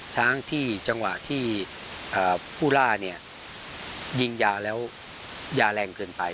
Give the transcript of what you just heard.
ช้างที่จังหวะที่ผู้ล่าเนี่ยยิงยาแล้วยาแรงเกินไป